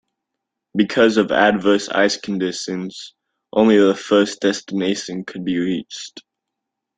Because of adverse ice conditions, only the first destination could be reached.